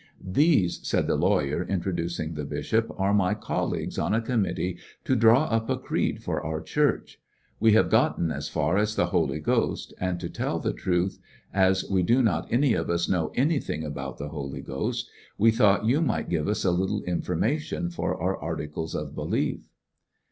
"These," said the lawyer, introducing the bishop, "are my colleagues on a committee to draw up a creed for our church. We have gotten as fiaj* as the Holy Ghost, and, to tell the truth, as we do not any of us know any thing about the Holy Ghost, we thought you 191 ^coUections of a miglit give us a little informatioii for our Articles of Belief."